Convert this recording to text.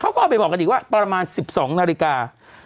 เขาก็เอาไปบอกกันอีกว่าประมาณ๑๒นาฬิกา